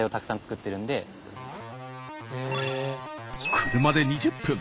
車で２０分。